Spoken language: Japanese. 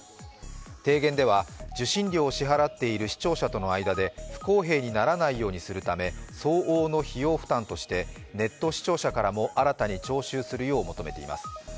提言では受信料を支払っている視聴者との間で不公平にならないようにするため相応の費用負担としてネット視聴者からも新たに徴収するよう求めています。